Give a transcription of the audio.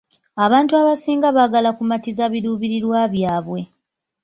Abantu abasinga baagala kumatiza biruubirirwa byabwe.